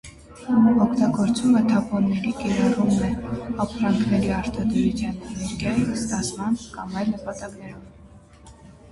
Օգտագործումը թափոնների կիրառումն է ապրանքների արտադրության, էներգիայի ստացման կամ այլ նպատակներով։